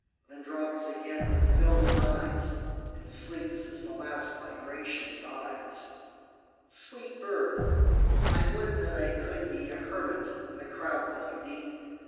Then drops again with fdmed eyes, And sleeps as the last vibration dies. a (89) Sweet bird ! I would that I could be A hermit in the crowd like thee